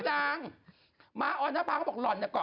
ลีน่าจังลีน่าจังลีน่าจังลีน่าจัง